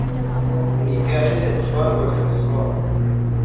نیگا هەیە چوار وەرزی ساڵ